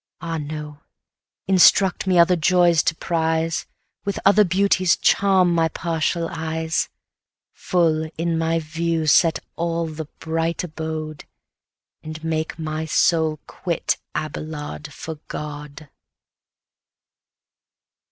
Ah, no! instruct me other joys to prize, With other beauties charm my partial eyes, Full in my view set all the bright abode, And make my soul quit Abelard for God.